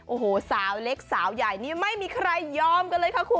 โอ้โหสาวเล็กสาวใหญ่นี่ไม่มีใครยอมกันเลยค่ะคุณ